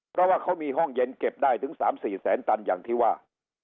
เพราะว่าเขามีห้องเย็นเก็บได้ถึง๓๔แสนตันอย่างที่ว่า